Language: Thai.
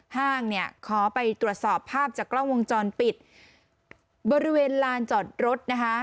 ห้างเนี่ยขอไปตรวจสอบภาพจากกล้องวงจรปิดบริเวณลานจอดรถนะคะ